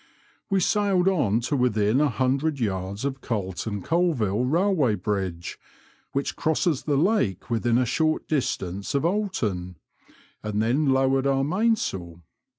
We sailed on to within a hundred yards of Carlton Colville Eailway bridge, which crosses the lake within a short distance of Oulton, and then lowered our mainsail.